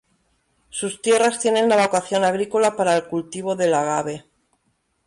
Sus tierras tienen la vocación agrícola para el cultivo del agave.